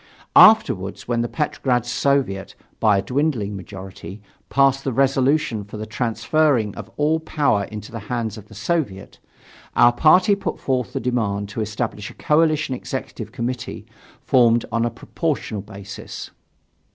Afterwards, when the Petrograd Soviet, by a dwindling majority, passed the resolution for the transfering of all power into the hands of the Soviet, our party put forth the demand to establish a coalition Executive Committee formed on a proportional basis.